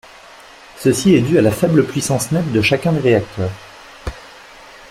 Ceci est dû à la faible puissance nette de chacun des réacteurs.